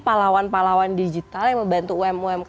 pahlawan pahlawan digital yang membantu umkm